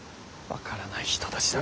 分からない人たちだな。